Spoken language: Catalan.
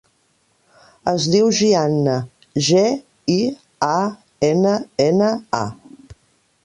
Es diu Gianna: ge, i, a, ena, ena, a.